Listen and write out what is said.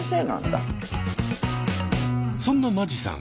そんな間地さん